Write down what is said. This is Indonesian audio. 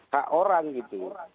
hak orang gitu